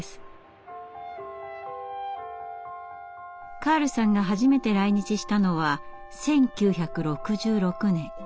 カールさんが初めて来日したのは１９６６年２４歳の時。